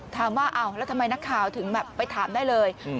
ถามว่าอ้าวแล้วทำไมนักข่าวถึงแบบไปถามได้เลย